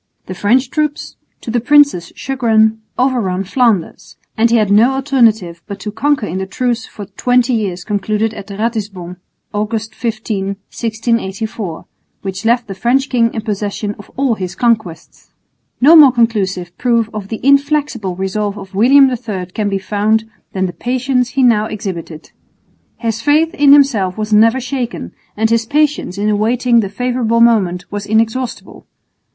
The French troops, to the prince's chagrin, overran Flanders; and he had no alternative but to concur in the truce for twenty years concluded at Ratisbon, August 15, 1684, which left the French king in possession of all his conquests. No more conclusive proof of the inflexible resolve of William III can be found than the patience he now exhibited. His faith in himself was never shaken, and his patience in awaiting the favourable moment was inexhaustible.